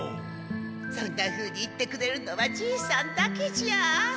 そんなふうに言ってくれるのはじいさんだけじゃ。